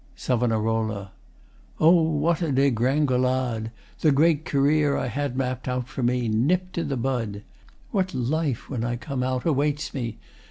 ] SAV. O, what a degringolade! The great career I had mapp'd out for me Nipp'd i' the bud. What life, when I come out, Awaits me?